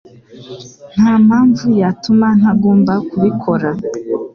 Nta mpamvu yatuma ntagomba kubikora.